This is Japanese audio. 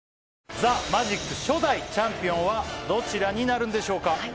『ＴＨＥＭＡＧＩＣ』初代チャンピオンはどちらになるんでしょうか？